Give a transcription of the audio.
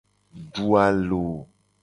Du alo.